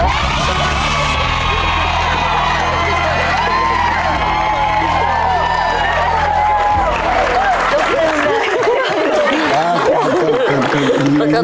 ขอบคุณครับ